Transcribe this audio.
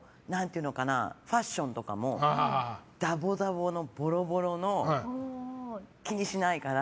ファッションとかもダボダボのボロボロの気にしないから